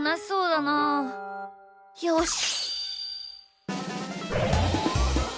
よし！